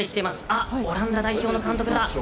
あ、オランダ代表の監督だ。